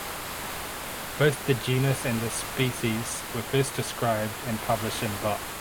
Both the genus and the species were first described and published in Bot.